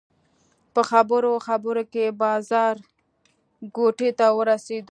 په خبرو خبرو کې بازارګوټي ته ورسېدو.